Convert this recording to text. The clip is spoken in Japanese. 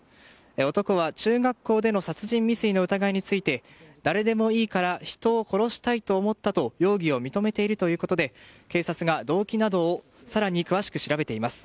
男は中学校での殺人未遂の疑いについて誰でもいいから人を殺したいと思ったと容疑を認めているということで警察が動機などを更に詳しく調べています。